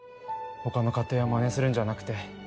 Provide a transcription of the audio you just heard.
「他の家庭をまねするんじゃなくて」